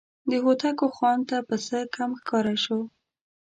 د هوتکو خان ته پسه کم ښکاره شو.